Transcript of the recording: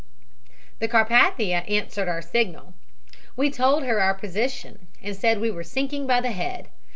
"The Carpathia answered our signal. We told her our position and said we were sinking by the head.